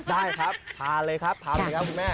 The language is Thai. ได้ครับพาเลยครับพามาดีครับคุณแม่